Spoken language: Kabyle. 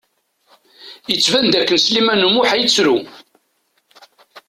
Yettban d akken Sliman U Muḥ ad yettru.